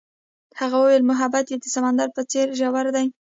هغې وویل محبت یې د سمندر په څېر ژور دی.